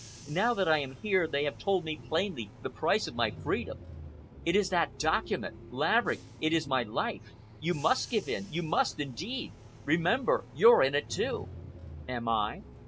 Now that I am here they have told me plainly the price of my freedom. It is that document. Laverick, it is my life! You must give in—you must, indeed! Remember you're in it, too." "Am I?"